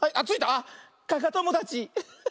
あっかかともだち。